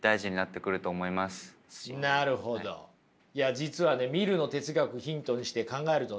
実はねミルの哲学をヒントにして考えるとね